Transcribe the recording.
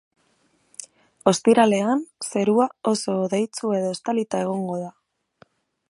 Ostiralean, zerua oso hodeitsu edo estalita egongo da.